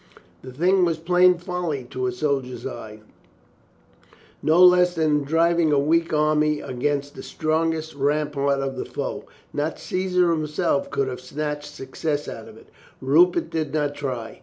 The thing was plain folly to a soldier's eye, no less than driving a weak army against the strongest rampart of the foe. Not Caesar himself could have snatched success out of it. Rupert did not try.